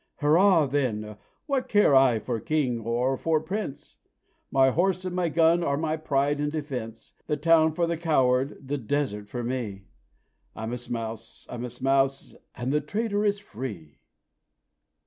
Hurrah! then, what care I for king or for prince? My horse and my gun are my pride and defence; The town for the coward the desert for me! I'm a Smouse, I'm a Smouse, and the trader is free!"